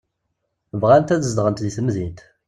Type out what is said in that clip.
Bɣant ad zedɣent di temdint.